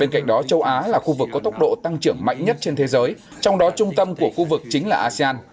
khu vực có tốc độ tăng trưởng mạnh nhất trên thế giới trong đó trung tâm của khu vực chính là asean